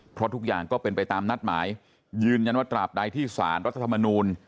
เพราะทุกอย่างก็เป็นไปตามนัดหมายยืนยันว่าตราบใดที่สารรัฐธรรมนูล